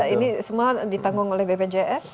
ini semua ditanggung oleh bpjs